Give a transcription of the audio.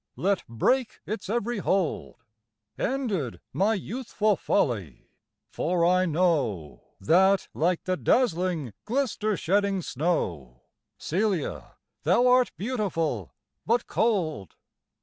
Let break its every hold! Ended my youthful folly! for I know That, like the dazzling, glister shedding snow, Celia, thou art beautiful, but cold.